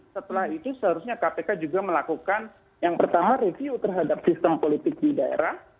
setelah itu seharusnya kpk juga melakukan yang pertama review terhadap sistem politik di daerah